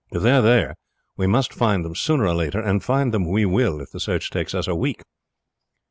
If they are there we must find them sooner or later; and find them we will, if the search takes us a week."